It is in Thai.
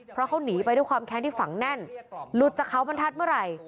เพราะเขาหนีไปด้วยความแค้นที่ฝังแน่นหลุดจากเขาบรรทัศน์เมื่อไหร่